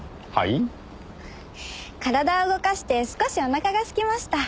体を動かして少しおなかがすきました。